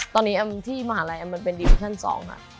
ตอนนี้แอมที่มหาลัยแอมมันเป็นดิวิชั่น๒ค่ะ